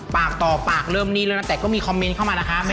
ปากต่อปากเริ่มจะได้แต่ก็มีคอมเม้นต์จะมานะคะ